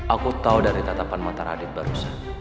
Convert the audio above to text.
aku tahu dari tatapan mata radit barusan